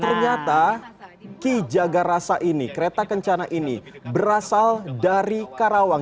ternyata ki jagarasa ini kereta kencana ini berasal dari karawang